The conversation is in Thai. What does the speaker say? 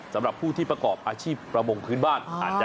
สำหรับผู้ที่ประกอบอาชีพประมงพื้นบ้านอาจจะ